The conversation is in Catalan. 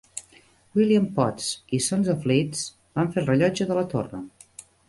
William Potts i Sons of Leeds van fer el rellotge de la torre.